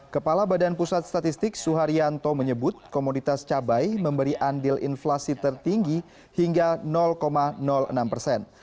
kepala badan pusat statistik suharyanto menyebut komoditas cabai memberi andil inflasi tertinggi hingga enam persen